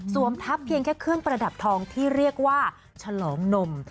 ทัพเพียงแค่เครื่องประดับทองที่เรียกว่าฉลองนม